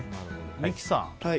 三木さん